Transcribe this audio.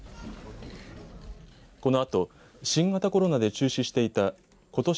このあと新型コロナで中止していたことし